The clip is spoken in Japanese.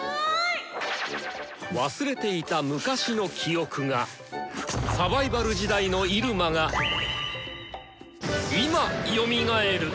忘れていた昔の記憶がサバイバル時代の入間が今よみがえる！